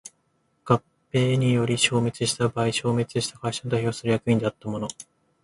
合併により消滅した場合消滅した会社を代表する役員であった者